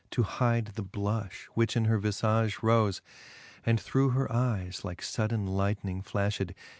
To hide the blulh;, which in her vifage rofe, And through her eyes like fudden lightning flaftied.